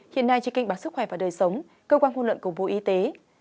hiện nay trên kênh bản sức khỏe và đời sống cơ quan hôn lợn cổng bố y tế